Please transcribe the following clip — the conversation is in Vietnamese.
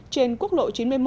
trên quốc lộ chín mươi một